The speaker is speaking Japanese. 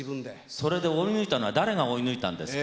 それで追い抜いたのは誰が追い抜いたんですか？